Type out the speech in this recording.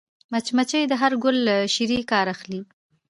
مچمچۍ د هر ګل له شيرې کار اخلي